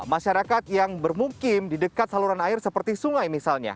masyarakat yang bermukim di dekat saluran air seperti sungai misalnya